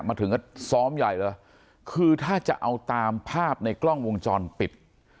มาถึงก็ซ้อมใหญ่เลยคือถ้าจะเอาตามภาพในกล้องวงจรปิด